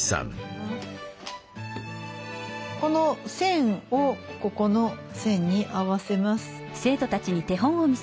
この線をここの線に合わせます。